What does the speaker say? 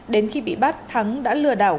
đến khi bị bắt thắng đã lừa đảo